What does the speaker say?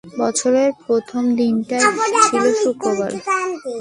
বছরের প্রথম দিনটি ছিল শুক্রবার।